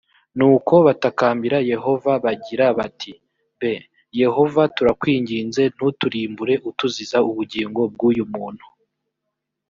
nuko batakambira yehova bagira bati b yehova turakwinginze ntuturimbure utuziza ubugingo bw uyu muntu